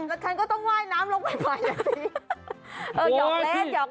ฉันก็ต้องว่าน้ำลงไปไหม